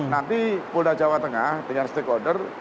nanti polda jawa tengah dengan stakeholder